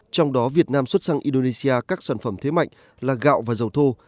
trong đó việt nam xuất sang indonesia các sản phẩm thế mạnh là gạo và dầu thô